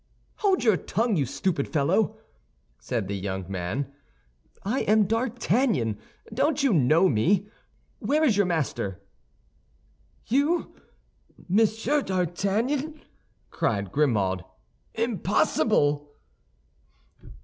"Hold your tongue, you stupid fellow!" said the young man; "I am D'Artagnan; don't you know me? Where is your master?" "You, Monsieur d'Artagnan!" cried Grimaud, "impossible."